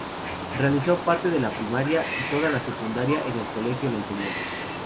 Realizó parte de la primaria y toda la secundaria en el colegio La Enseñanza.